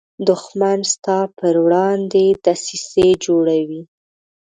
دښمن ستا پر وړاندې دسیسې جوړوي